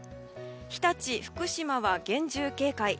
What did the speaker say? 日立、福島は厳重警戒。